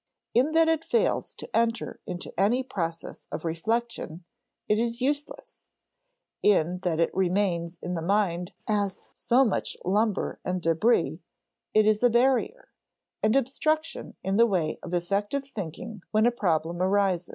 In that it fails to enter into any process of reflection, it is useless; in that it remains in the mind as so much lumber and débris, it is a barrier, an obstruction in the way of effective thinking when a problem arises.